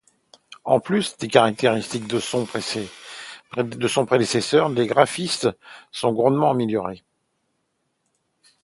En plus des caractéristiques de son prédécesseur, les graphismes sont grandement améliorés.